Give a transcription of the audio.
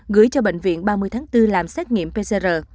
gửi cho bệnh viện ba mươi tháng bốn làm xét nghiệm pcr